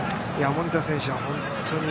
守田選手は。